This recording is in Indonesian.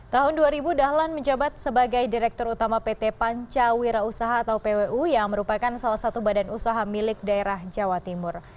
tahun dua ribu dahlan menjabat sebagai direktur utama pt pancawira usaha atau pwu yang merupakan salah satu badan usaha milik daerah jawa timur